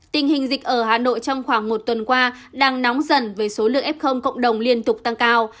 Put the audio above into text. tình hình dịch ở hà nội trong khoảng một tuần qua đang nóng dần với số lượng f cộng đồng liên tục tăng cao